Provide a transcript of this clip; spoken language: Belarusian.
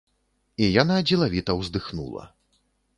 І яна дзелавіта ўздыхнула.